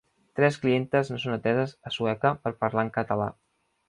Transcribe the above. Tres clientes no són ateses a Sueca per parlar en català